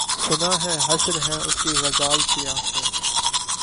سُنا ہے حشر ہیں اُس کی غزال سی آنکھیں